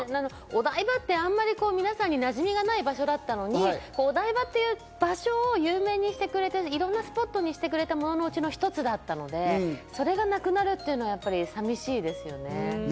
お台場って皆さんになじみがない場所だったのに、お台場っていう場所を有名にしてくれて、いろんなスポットにしてくれたもののうちの一つだったので、それがなくなるっていうのは寂しいですね。